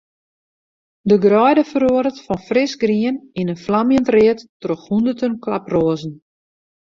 De greide feroaret fan frisgrien yn in flamjend read troch hûnderten klaproazen.